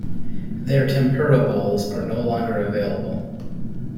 Their tempura bowls are no longer available.